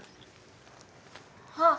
あっ！